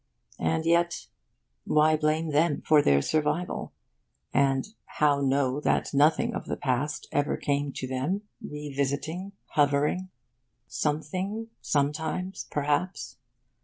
And yet, why blame them for their survival? And how know that nothing of the past ever came to them, revisiting, hovering? Something sometimes perhaps?